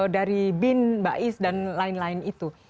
dari bin mbak is dan lain lain itu